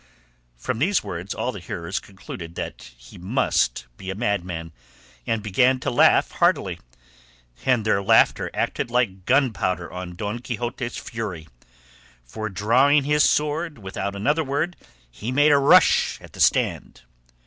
From these words all the hearers concluded that he must be a madman, and began to laugh heartily, and their laughter acted like gunpowder on Don Quixote's fury, for drawing his sword without another word he made a rush at the stand.